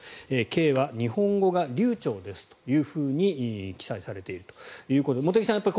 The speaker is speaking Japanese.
ケイは日本語が流ちょうですと記載されているということで茂木さん